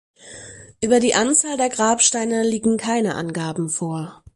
Über die Anzahl der Grabsteine liegen keine Angaben vor.